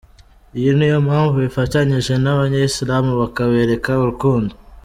Iyo niyo mpamvu bifatanyije n’abayisilamu bakabereka urukundo.